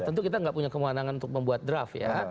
tentu kita gak punya kemandangan untuk membuat draft ya